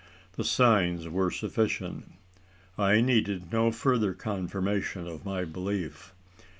The signs were sufficient. I needed no further confirmation of my belief.